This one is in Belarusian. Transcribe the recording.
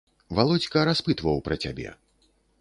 Валодзька распытваў пра цябе.